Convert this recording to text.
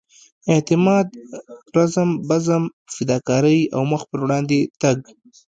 اعتماد رزم بزم فداکارۍ او مخ پر وړاندې تګ.